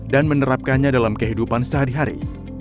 dan menerapkannya dalam kehidupan sehari hari